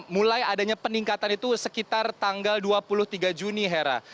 mulai adanya peningkatan itu sekitar tanggal dua puluh tiga juni hera